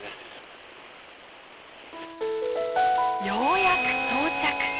ようやく到着。